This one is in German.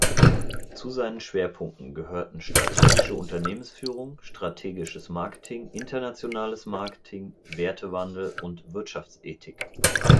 Zu seinen Schwerpunkten gehörten Strategische Unternehmensführung, Strategisches Marketing, Internationales Marketing, Wertewandel und Wirtschaftsethik.